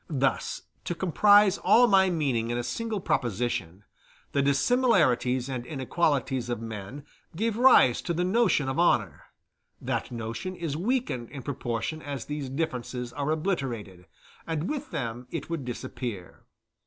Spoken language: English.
Thus, to comprise all my meaning in a single proposition, the dissimilarities and inequalities of men gave rise to the notion of honor; that notion is weakened in proportion as these differences are obliterated, and with them it would disappear.